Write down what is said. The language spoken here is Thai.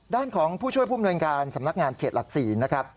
ด้านของผู้ช่วยภูมิหน่วยงานสำนักงานเขตหลักศีล